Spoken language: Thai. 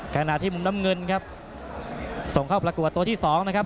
ขณะที่มุมน้ำเงินครับส่งเข้าประกวดตัวที่สองนะครับ